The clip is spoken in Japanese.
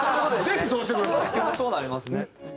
結局そうなりますね。